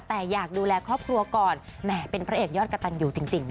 แต่อยากดูแลครอบครัวก่อนแหมเป็นพระเอกยอดกระตันอยู่จริง